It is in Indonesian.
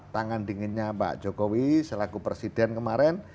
tangan dinginnya pak jokowi selaku presiden kemarin